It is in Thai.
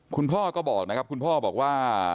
คุณพ่อก็บอกนะครับคุณพ่อบอกว่า